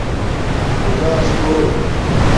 خداس کُوٹ